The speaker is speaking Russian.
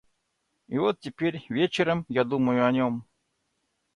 И вот теперь, вечером, я думаю о нем.